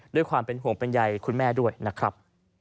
ด้วยความเป็นห่วงเป็นใยคุณแม่ด้วยนะครับ